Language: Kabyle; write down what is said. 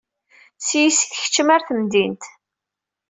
S-yes i tkeččem ar temdint.